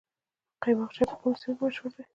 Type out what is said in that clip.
قیماق چای په کومو سیمو کې مشهور دی؟